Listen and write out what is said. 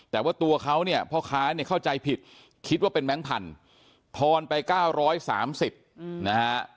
แต่ว่าตัวเขาเนี่ยพ่อค้าเนี่ยเข้าใจผิดคิดว่าเป็นแบงค์พันธุ์ทอนไป๙๓๐นะฮะ